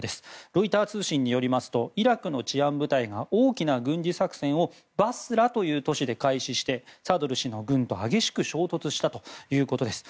ロイター通信によりますとイラクの治安部隊が大きな軍事作戦をバスラという都市で開始して、サドル師の軍と激しく衝突したということです。